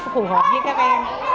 phù hợp với các em